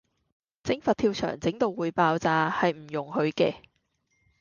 整佛跳牆整到會爆炸，係唔容許嘅